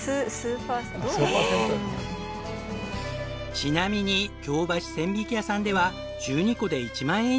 ちなみに京橋千疋屋さんでは１２個で１万円以上。